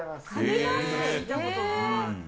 聞いたことない。